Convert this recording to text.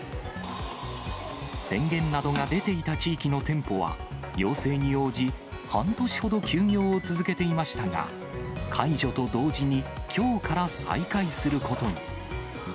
宣言などが出ていた地域の店舗は、要請に応じ、半年ほど休業を続けていましたが、解除と同時に、きょうから再開することに。